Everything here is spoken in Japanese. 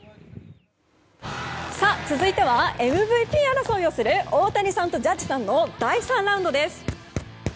続いてはＭＶＰ争いをする大谷さんとジャッジさんの第３ラウンドです！